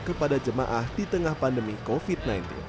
kepada jemaah di tengah pandemi covid sembilan belas